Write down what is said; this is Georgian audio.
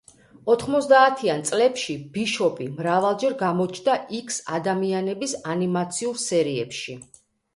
ოთხმოცდაათიან წლებში ბიშოპი მრავალჯერ გამოჩნდა იქს-ადამიანების ანიმაციურ სერიებში.